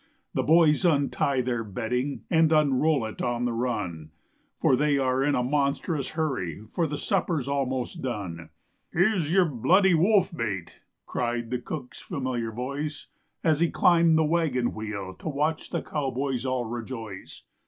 The boys untie their bedding And unroll it on the run, For they are in a monstrous hurry For the supper's almost done. "Here's your bloody wolf bait," Cried the cook's familiar voice As he climbed the wagon wheel To watch the cowboys all rejoice.